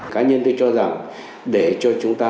cá nhân tôi cho rằng để cho chúng ta